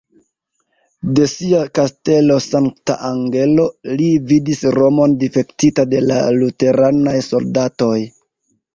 De sia kastelo Sankta-Angelo, li vidis Romon difektita de la luteranaj soldatoj.